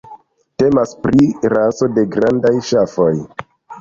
Temas pri raso de grandaj ŝafoj.